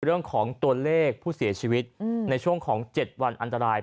เรื่องของตัวเลขผู้เสียชีวิตในช่วงของ๗วันอันตราย